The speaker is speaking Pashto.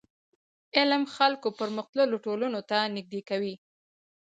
علم خلک و پرمختللو ټولنو ته نژدي کوي.